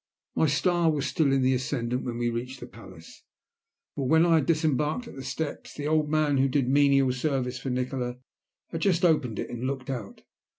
My star was still in the ascendant when we reached the palace, for when I had disembarked at the steps, the old man who did menial service for Nikola, had just opened it and looked out.